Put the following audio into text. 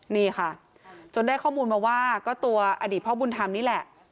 นี่ค่ะจนได้ข้อมูลมาว่าก็ตัวอดีตพ่อบุญธรรมนี่แหละ